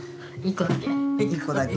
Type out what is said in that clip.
１個だけ。